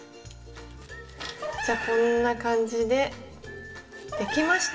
じゃこんな感じでできました！